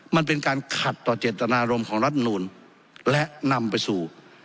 มันเป็นการขัดต่อเจตนารมณ์ของรัฐมนูลและนำไปสู่